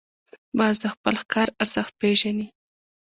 باز د خپل ښکار ارزښت پېژني